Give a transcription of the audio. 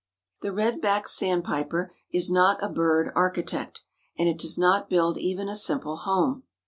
The Red backed Sandpiper is not a bird architect and it does not build even a simple home.